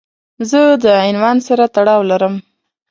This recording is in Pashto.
زه د عنوان سره تړاو لرم.